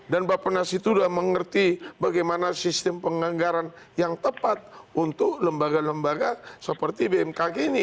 dan mbak penas itu sudah mengerti bagaimana sistem penganggaran yang tepat untuk lembaga lembaga seperti bmkg ini